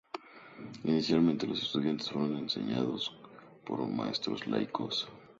Inicialmente los estudiantes fueron enseñados por maestros laicos.